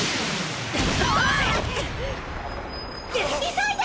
急いで！